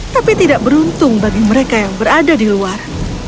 tapi tidak beruntung bagi mereka yang berada di luar